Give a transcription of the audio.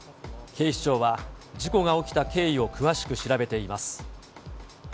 警視庁は、事故が起きた経緯を詳しく調べています。